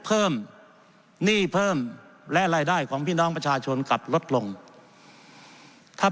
เพิ่มหนี้เพิ่มและรายได้ของพี่น้องประชาชนกลับลดลงถ้า